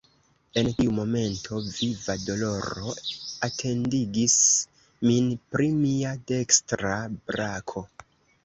En tiu momento, viva doloro atentigis min pri mia dekstra brako.